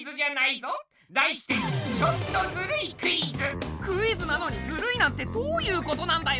題してクイズなのにずるいなんてどういうことなんだよ